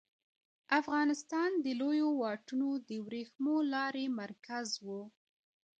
افغانستان د لویو واټونو د ورېښمو لارې مرکز و